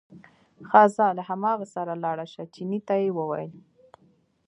ښه ځه له هماغه سره لاړ شه، چیني ته یې وویل.